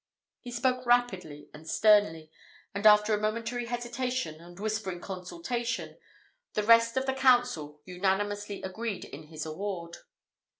He spoke rapidly and sternly; and after a momentary hesitation, and whispering consultation, the rest of the council unanimously agreed in his award.